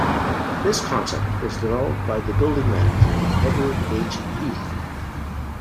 This concept was developed by the building manager Edward H. Heath.